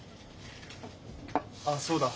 あっそうだ。